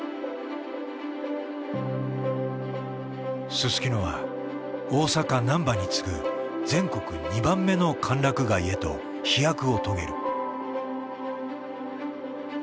すすきのは大阪・難波に次ぐ全国２番目の歓楽街へと飛躍を遂げる。